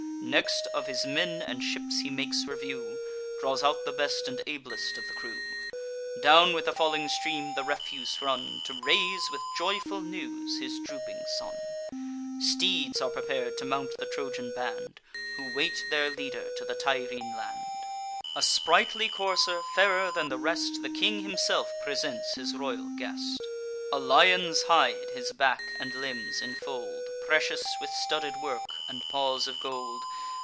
Next, of his men and ships he makes review; Draws out the best and ablest of the crew. Down with the falling stream the refuse run, To raise with joyful news his drooping son. Steeds are prepar'd to mount the Trojan band, Who wait their leader to the Tyrrhene land. A sprightly courser, fairer than the rest, The king himself presents his royal guest: A lion's hide his back and limbs infold, Precious with studded work, and paws of gold.